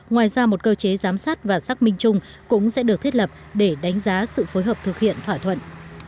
ngoài ra một cơ chế giám sát và xác minh chung cũng sẽ được thiết lập để đánh giá sự phối hợp thực hiện thỏa thuận